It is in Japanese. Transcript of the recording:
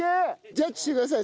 ジャッジしてください。